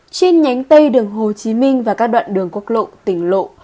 trên nhánh tây đường hồ chí minh và các đoạn đường quốc lộ tỉnh lộ